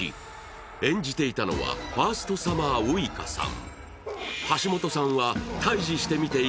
演じていたのは、ファーストサマーウイカさん。